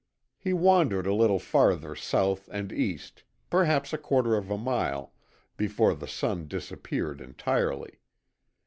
He wandered a little farther south and east, perhaps a quarter of a mile, before the sun disappeared entirely.